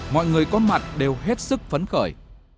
mọi người có mặt đều hết sức phấn khởi